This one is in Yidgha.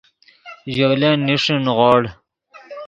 ژولن نیݰے نیغوڑ